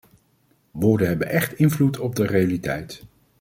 Woorden hebben echt invloed op de realiteit.